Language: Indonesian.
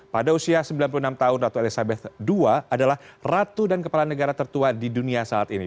pada usia sembilan puluh enam tahun ratu elizabeth ii adalah ratu dan kepala negara tertua di dunia saat ini